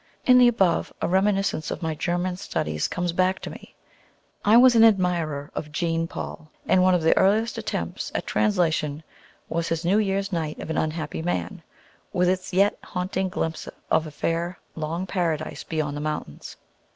In the above, a reminiscence of my German studies comes back to me. I was an admirer of Jean Paul, and one of my earliest attempts at translation was his "New Year's Night of an Unhappy Man," with its yet haunting glimpse of "a fair long paradise beyond the mountains."